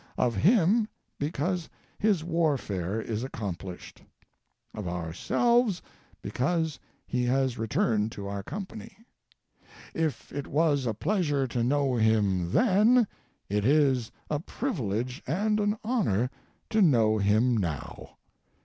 Of him because his warfare is accomplished. Of ourselves because he has returned to our company. If it was a pleasure to know him then, it is a privilege and an honor to know him now.